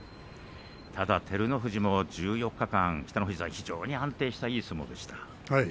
ただ照ノ富士も１４日間北の富士さん、非常に安定したいい相撲でした。